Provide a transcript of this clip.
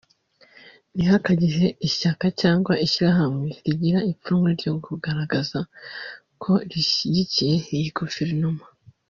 ntihakagire ishyaka cyangwa ishyirahamwe rigira ipfunwe ryo kugaragaza ko rishyigikiye iyi Guverinoma